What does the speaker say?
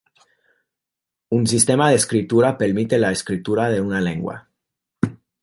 Un sistema de escritura permite la escritura de una lengua.